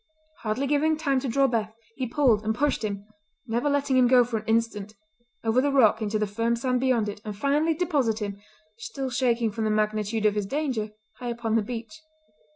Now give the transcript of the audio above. Hardly giving him time to draw breath, he pulled and pushed him—never letting him go for an instant—over the rock into the firm sand beyond it, and finally deposited him, still shaking from the magnitude of his danger, high upon the beach.